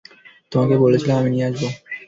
তোমাকে বলেছিলাম আমি নিয়ে আসবো।